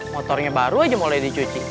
motornya baru aja mulai dicuci